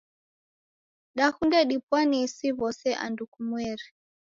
Dakunde dipwane isi w'ose andu kumweri.